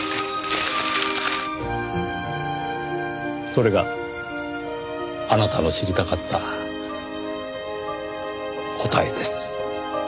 それがあなたの知りたかった答えです。